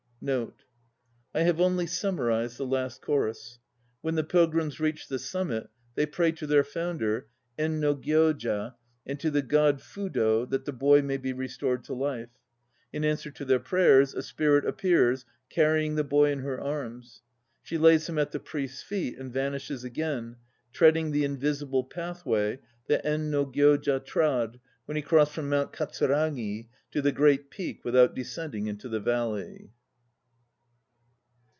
1 1 I have only summarized the last chorus. When the pilgrims reach the sum mit, they pray to their founder, En no Gyoja, and to the God Fudo that the boy may be restored to life. In answer to their prayers a Spirit appears carrying the boy in her arms. She lays him at the Priest's feet and vanishes again, treading the Invisible Pathway that En no Gyoja trod when he crossed from Mount Kat suragi to the Great Peak without descending into the valley.